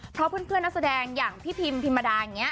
เพราะเพื่อนนักแสดงอย่างพี่พิมพิมดาอย่างนี้